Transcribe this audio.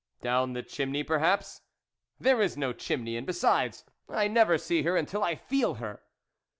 " Down the chimney, perhaps ?"" There is no chimney, and besides, I never see her until I feel her."